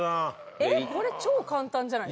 えっこれ超簡単じゃないですか？